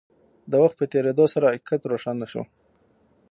د وخت په تېرېدو سره حقيقت روښانه شو.